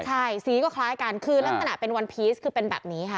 ใช่สีก็คล้ายกันคือลักษณะเป็นวันพีชคือเป็นแบบนี้ค่ะ